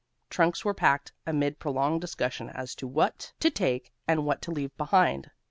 Trunks were packed, amid prolonged discussion as to what to take and what to leave behind.